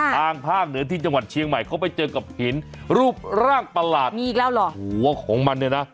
ทางภาคเหนือที่จังหวัดเชียงใหม่